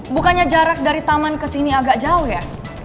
bukannya jarak dari taman kesini agak jauh ya